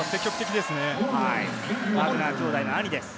バグナー兄弟の兄です。